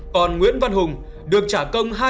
còn nguyễn văn hùng được trả công